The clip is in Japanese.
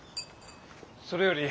それより。